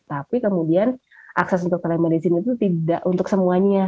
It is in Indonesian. tapi kemudian akses untuk telemedicine itu tidak untuk semuanya